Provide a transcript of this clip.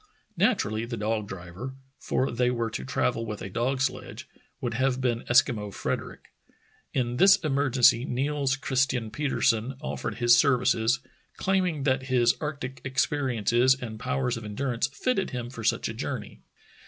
Naturally the dog driver — for they were to travel with a dog sledge — would have been Eskimo Frederick. In this emergency Niels Christian Petersen off"ered his ser vices, claiming that his arctic experiences and powers of endurance fitted him for such a journey.